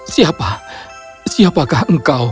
siapa siapakah engkau